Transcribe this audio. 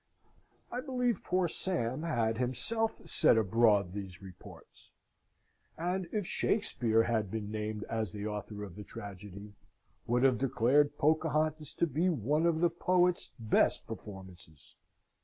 I believe poor Sam had himself set abroad these reports; and, if Shakspeare had been named as the author of the tragedy, would have declared Pocahontas to be one of the poet's best performances.